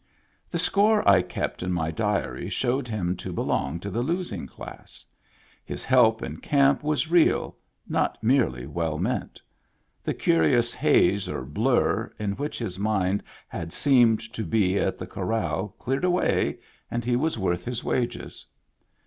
The score I kept in my diary showed him to belong to the losing class. His help in camp was real, not merely well meant; the curious haze or blur in which his mind had seemed to be at the corral cleared away, and he was worth his wages.